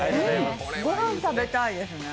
御飯食べたいですね。